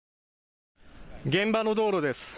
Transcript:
現場の道路です。